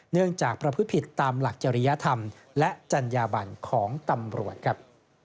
เนื่องจากประพฤติผิดตามหลักจริยธรรมและจัญญาบันของตำรวจครับ